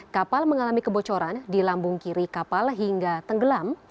kapal mengalami kebocoran di lambung kiri kapal hingga tenggelam